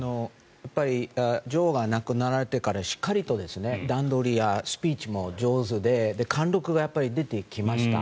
やっぱり女王が亡くなられてからしっかりと段取りやスピーチも上手で貫禄が出てきました。